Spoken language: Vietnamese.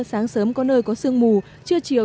sáng sớm có nơi có sương mù trê chiều